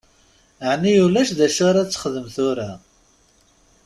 Ɛni ulac d acu ara ad txedmem tura?